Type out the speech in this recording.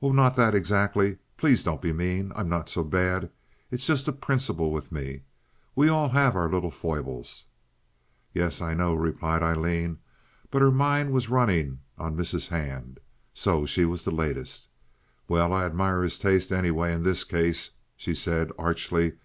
"Oh, not that, exactly. Please don't be mean. I'm not so bad. It's just a principle with me. We all have our little foibles." "Yes, I know," replied Aileen; but her mind was running on Mrs. Hand. So she was the latest. "Well, I admire his taste, anyway, in this case," she said, archly.